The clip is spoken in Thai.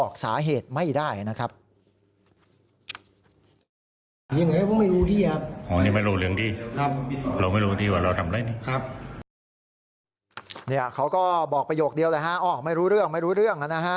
เขาก็บอกประโยคเดียวไม่รู้เรื่องไม่รู้เรื่อง